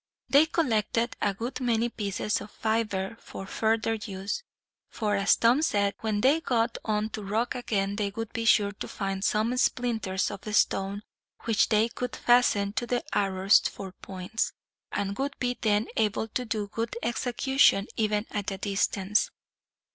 They collected a good many pieces of fiber for further use; for, as Tom said, when they got on to rock again they would be sure to find some splinters of stone, which they could fasten to the arrows for points; and would be then able to do good execution, even at a distance.